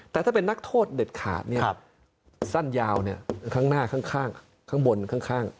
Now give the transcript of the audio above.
แต่ถ้าเป็นนักโทษเด็ดขาดสั้นยาวข้างหน้าข้างบนข้าง